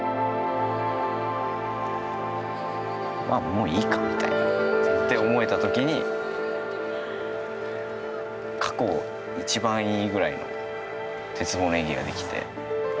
もういいかって思えたときに過去いちばんいいぐらいの鉄棒の演技ができて。